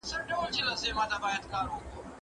لویه جرګه کله د نړیوالو تر پوښتنې لاندې راځي؟